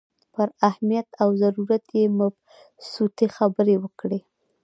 پر اهمیت او ضرورت یې مبسوطې خبرې وکړې.